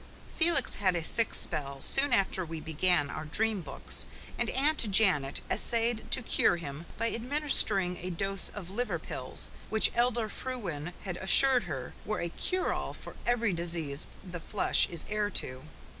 Felix had a sick spell soon after we began our dream books, and Aunt Janet essayed to cure him by administering a dose of liver pills which Elder Frewen had assured her were a cure all for every disease the flesh is heir to.